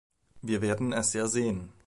Wir werden es ja sehen.